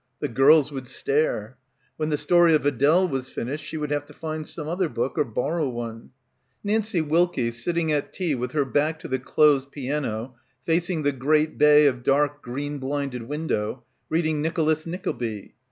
The girls would stare. When "The Story of Adele" was finished she would have to find some other book; or borrow one. Nancie Wilkie, sitting at tea with her back to the closed piano facing the great bay of dark green blinded window, reading "Nicholas Nickle by."